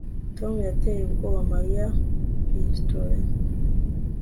Tom yateye ubwoba Mariya pistolet